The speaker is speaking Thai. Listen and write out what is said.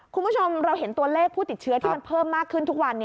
คุณผู้ชมเราเห็นตัวเลขผู้ติดเชื้อที่มันเพิ่มมากขึ้นทุกวัน